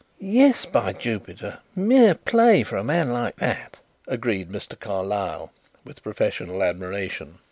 "Yes, by Jupiter; mere play for a man like that," agreed Mr. Carlyle, with professional admiration.